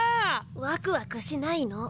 ワクワクしないの。